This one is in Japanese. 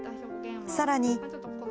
さらに。